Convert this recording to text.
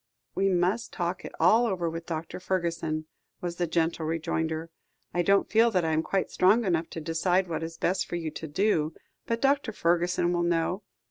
"We must talk it all over with Dr. Fergusson," was the gentle rejoinder. "I don't feel that I am quite strong enough to decide what is best for you to do, but Dr. Fergusson will know.